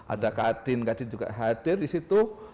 ada kadin kadin juga hadir disitu